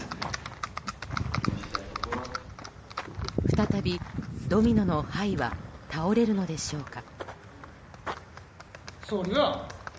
再びドミノの牌は倒れるのでしょうか。